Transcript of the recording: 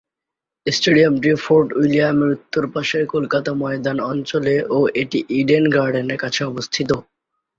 স্টেডিয়ামটি Fort উইলিয়ামের উত্তর পাশের কলকাতা ময়দান অঞ্চলে ও এটি ইডেন গার্ডেনের কাছে অবস্থিত।